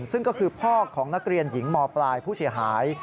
ซึ่งก็คือพ่อของนักเรียนหญิงมปลายผู้เสียหาย